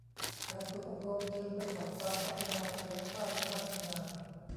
การฝึกอบรมเชิงปฏิบัติการพัฒนาศักยภาพคณะทำงาน